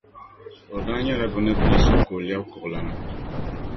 O daa nyɛla bɛ ni pii so ka o lɛbi kuɣulana.